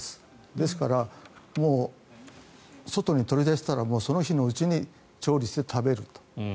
ですから、外に取り出したらその日のうちに調理して食べると。